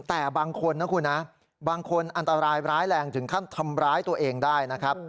แต่บางคนนะคุณนะบางคนอันตรายร้ายแรงถึงขั้นทำร้ายตัวเองได้นะครับ